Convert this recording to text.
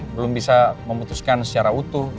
belum bisa memutuskan secara utuh